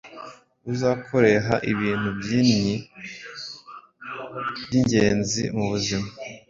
Uzakoreha ibintu byinhi byingenzi mubuzima